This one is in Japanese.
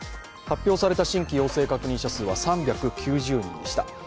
発表された新規陽性確認者数は３９０人でした。